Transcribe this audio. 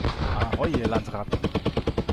Ahoi, ihr Landratten!